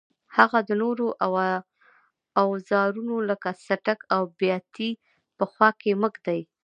هغه د نورو اوزارونو لکه څټک او بیاتي په خوا کې مه ږدئ.